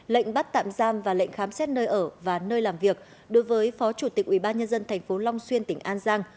lệnh bắt tạm giam và lệnh khám xét nơi ở và nơi làm việc đối với phó chủ tịch ubnd tp long xuyên tỉnh an giang